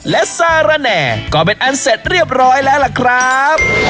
และซาระแหน่ก็เป็นอันเสร็จเรียบร้อยแล้วล่ะครับ